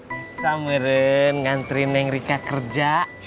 bisa meren ngantriin neng rika kerja